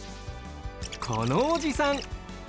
このおじさん。